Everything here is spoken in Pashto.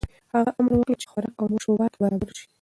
هغه امر وکړ چې خوراک او مشروبات برابر شي.